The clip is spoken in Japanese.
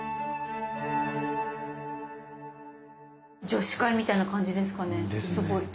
女子会みたいな感じですかね？